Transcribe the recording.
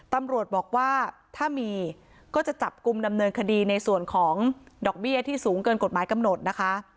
ตำรวจบอกว่าถ้ามีก็จะจับกลุ่มดำเนินคดีในส่วนของดอกเบี้ยที่สูงเกินกฎหมายกำหนดนะคะ